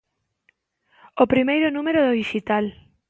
O primeiro número do dixital.